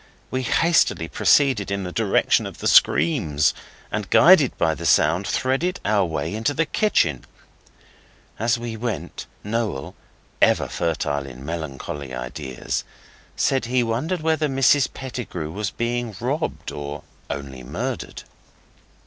We hastily proceeded in the direction of the screams, and, guided by the sound, threaded our way into the kitchen. As we went, Noel, ever fertile in melancholy ideas, said he wondered whether Mrs Pettigrew was being robbed, or only murdered.